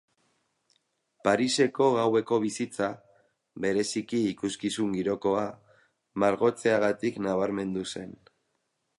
Pariseko gaueko bizitza, bereziki ikuskizun-girokoa, margotzeagatik nabarmendu zen.